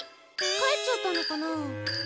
帰っちゃったのかな。